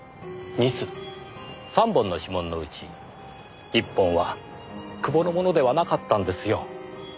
３本の指紋のうち１本は久保のものではなかったんですよ。